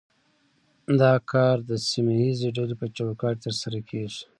دا کار د سیمه ایزې ډلې په چوکاټ کې ترسره کیږي